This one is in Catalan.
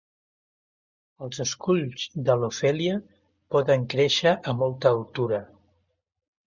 Els esculls de "Lophelia" poden créixer a molta altura.